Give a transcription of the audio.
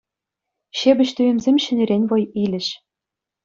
Ҫепӗҫ туйӑмсем ҫӗнӗрен вӑй илӗҫ.